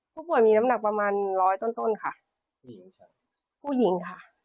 ผู้ป่วยมีน้ำหนักประมาณร้อยต้นค่ะผู้หญิงค่ะ